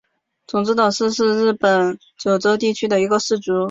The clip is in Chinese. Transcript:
种子岛氏是日本九州地区的一个氏族。